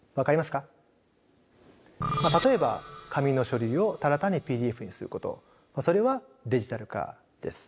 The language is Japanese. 例えば紙の書類をただ単にＰＤＦにすることそれはデジタル化です。